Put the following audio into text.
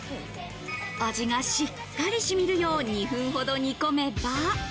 味がしっかり染みるよう２分ほど煮込めば。